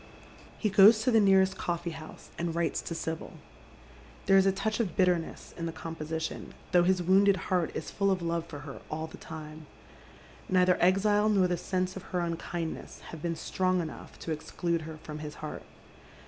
He goes to tiie nearest coffee house and writes to Sibyl. There is a touch of bitterness in the composition, though his wounded heart Is full of love for her all the time. Neither exile nor the sense of her unkindness have been strong enough to exclude her from his heart.